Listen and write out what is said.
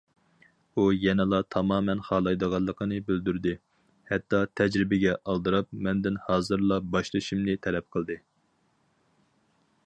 ئۇ يەنىلا تامامەن خالايدىغانلىقىنى بىلدۈردى، ھەتتا تەجرىبىگە ئالدىراپ، مەندىن ھازىرلا باشلىشىمنى تەلەپ قىلدى.